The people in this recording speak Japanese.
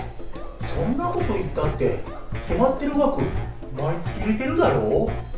そんなこといったって、決まってる額を毎月入れてるだろ。